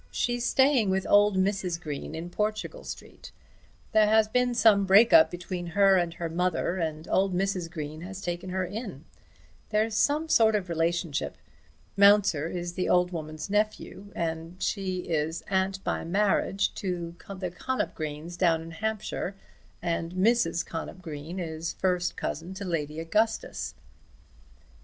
She's staying with old Mrs. Green in Portugal Street. There has been some break up between her and her mother, and old Mrs. Green has taken her in. There's some sort of relationship. Mounser is the old woman's nephew, and she is aunt by marriage to the Connop Greens down in Hampshire, and Mrs. Connop Green is first cousin to Lady Augustus."